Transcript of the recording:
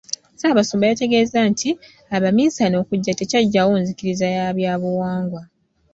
Ssaabasumba yategeezezza nti abaminsane okujja tekyaggyawo nzikiriza ya byabuwangwa.